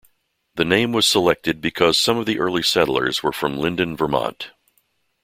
The name was selected because some of the early settlers were from Lyndon, Vermont.